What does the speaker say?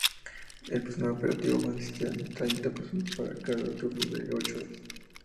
El personal operativo consistía de treinta personas para cada turno de ocho horas.